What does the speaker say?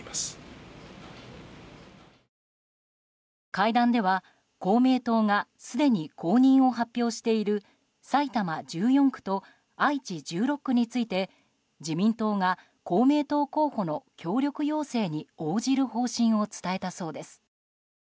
会談では公明党がすでに公認を発表している埼玉１４区と愛知１６区について自民党が公明党候補の協力要請に応じる方針を伝えたそうです。